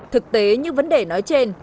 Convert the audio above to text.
thực tế như vấn đề nói trên